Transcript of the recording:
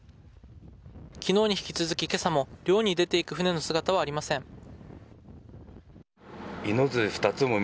昨日に引き続き今朝も漁に出ていく船の姿はありません。